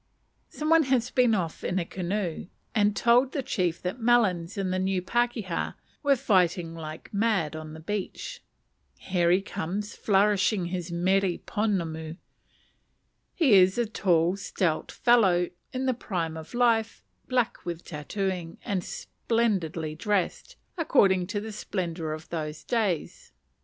Some one has been off in a canoe and told the chief that "Melons" and the "New Pakeha" were fighting like mad on the beach. Here he comes, flourishing his mere ponamu. He is a tall, stout fellow, in the prime of life, black with tatooing, and splendidly dressed, according to the splendour of those days.